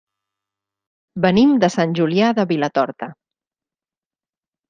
Venim de Sant Julià de Vilatorta.